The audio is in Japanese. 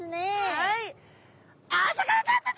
はい。